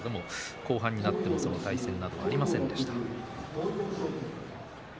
後半になってもその対戦はありませんでした。